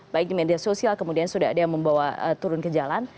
baik di media sosial kemudian sudah ada yang membawa turun ke jalan